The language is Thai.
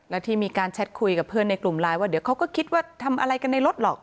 แล้วที่มีการแชทคุยกับเพื่อนในกลุ่มไลน์ว่าเดี๋ยวเขาก็คิดว่าทำอะไรกันในรถหรอก